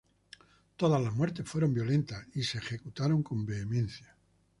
Todas las muertes fueron violentas y se ejecutaron con vehemencia.